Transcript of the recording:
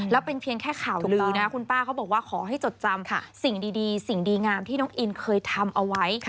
แล้วเป็นเพียงแค่ข่าวดีนะคุณป้าเขาบอกว่าขอให้จดจำสิ่งดีสิ่งดีงามที่น้องอินเคยทำเอาไว้